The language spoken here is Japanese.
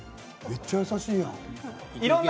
めっちゃ優しいやん！